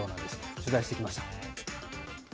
取材してきました。